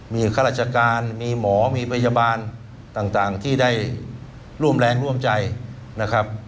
มีข้าราชการมีหมอมีพยาบาลต่างที่ได้ร่วมแรงร่วมใจนะครับ